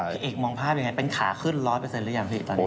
เอกมองภาพยังไงเป็นขาขึ้น๑๐๐หรือยังพี่ตอนนี้